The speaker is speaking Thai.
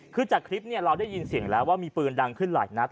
คือจากคลิปเนี่ยเราได้ยินเสียงแล้วว่ามีปืนดังขึ้นหลายนัด